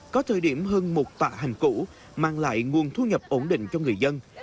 có thời điểm hơn một tọa hành cũ mang lại nguồn thu nhập ổn định cho người dân